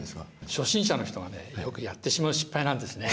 初心者の人がねよくやってしまう失敗なんですね。